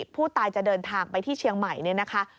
ผู้ตายจะเดินทางไปที่เชียงใหม่เนี่ยนะคะ